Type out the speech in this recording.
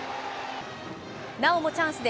なおもチャンスで